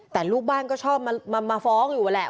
แต่ลูกบ้านก็ชอบมาฟ้องอยู่แหละ